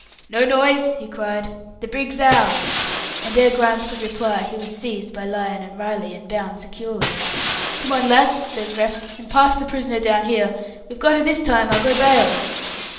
"No noise!" he cried. "The brig's ours"; and ere Grimes could reply, he was seized by Lyon and Riley, and bound securely. "Come on, lads!" says Rex, "and pass the prisoner down here. We've got her this time, I'll go bail!"